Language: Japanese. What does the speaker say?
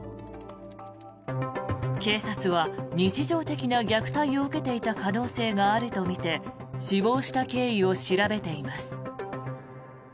警察は日常的な虐待を受けていた可能性があるとみて死亡した経緯を調べています。